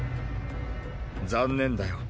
残念だよ